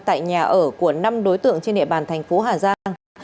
tại nhà ở của năm đối tượng trên địa bàn thành phố hà giang